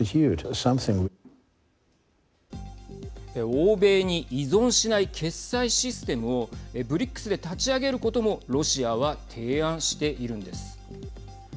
欧米に依存しない決済システムをＢＲＩＣＳで立ち上げることもロシアは提案しているんです。